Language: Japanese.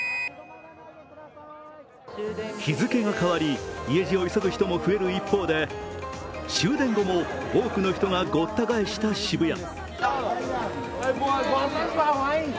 日付が変わり、家路を急ぐ人も増える一方で終電後も多くの人がごった返した渋谷。